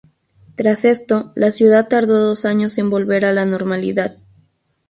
Tras esto, la ciudad tardó dos años en volver a la normalidad.